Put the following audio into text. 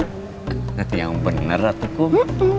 berarti yang bener ya kum